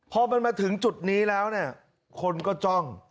พอมันมาถึงจุดนี้แล้วเราก็จะจ้อง